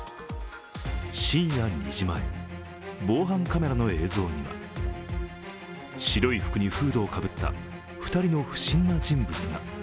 深夜２時前、防犯カメラの映像には白い服にフードをかぶった２人の不審な人物が。